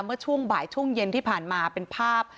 เมื่อช่วงบ่ายช่วงเย็นที่ผ่านมาเป็นภาพ